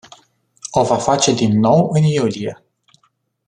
O va face din nou în iulie.